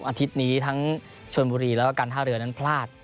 อาทิตย์นี้ทั้งชนบุรีแล้วก็การท่าเรือนั้นพลาด